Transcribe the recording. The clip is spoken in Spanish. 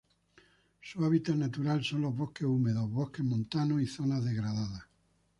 Su hábitat natural son los bosques húmedos, bosques montanos y zonas degradadas.